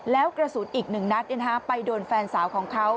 แล้วกระสุนอีกหนึ่งนัดไปโดนแฟนสาวของเขา